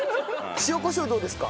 塩コショウどうですか？